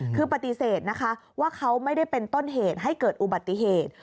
คือปฏิเสธนะคะว่าเขาไม่ได้เป็นต้นเหตุให้เกิดอุบัติเหตุ